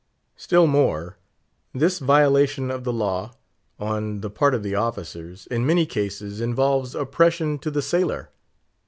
Still more. This violation of the law, on the part of the officers, in many cases involves oppression to the sailor.